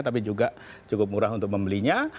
tapi juga cukup murah untuk membelinya